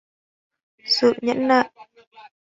sự nhẫn nại